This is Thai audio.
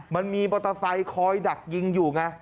มันมีมอเตอร์ไซค์คอยดักยิงอยู่ไง